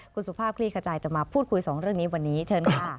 คุณสุภาพคลี่ขจายจะมาพูดคุยสองเรื่องนี้วันนี้เชิญค่ะ